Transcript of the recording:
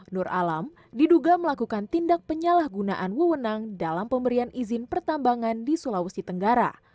nur alam diduga melakukan tindak penyalahgunaan wewenang dalam pemberian izin pertambangan di sulawesi tenggara